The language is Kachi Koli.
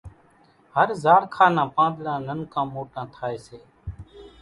هر زاڙکا نان پانۮڙان ننڪان موٽان ٿائيَ سي۔